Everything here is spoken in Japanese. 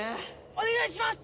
お願いします！